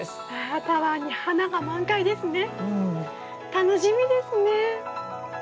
楽しみですね！